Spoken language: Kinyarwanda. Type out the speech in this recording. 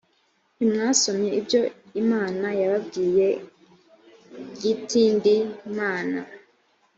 ntimwasomye ibyo imana yababwiye g iti ndi imana